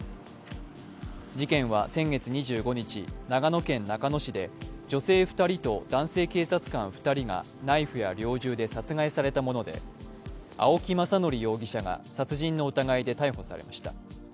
事件は先月２５日、長野県中野市で女性２人と男性警察官２人がナイフや猟銃で殺害されたもので青木政憲容疑者が殺人の疑いで逮捕されました。